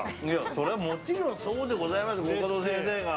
そりゃもちろんそうでございます、コカド先生が。